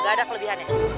gak ada kelebihannya